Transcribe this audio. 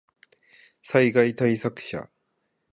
災害対策車